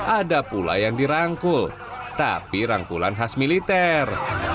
ada pula yang dirangkul tapi rangkulan khas militer